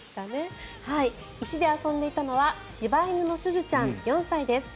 石で遊んでいたのは柴犬のスズちゃん、４歳です。